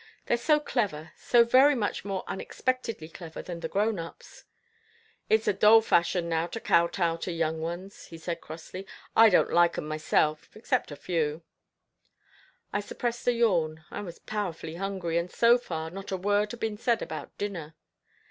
They're so clever, so very much more unexpectedly clever than the grown ups." "It's a doll fashion now to kow tow to young ones," he said crossly. "I don't like 'em myself, except a few." I suppressed a yawn. I was powerfully hungry, and so far, not a word had been said about dinner.